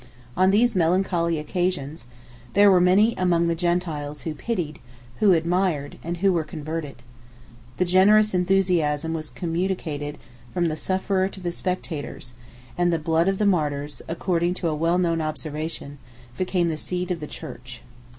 On these melancholy occasions, there were many among the Gentiles who pitied, who admired, and who were converted. The generous enthusiasm was communicated from the sufferer to the spectators; and the blood of martyrs, according to a well known observation, became the seed of the church.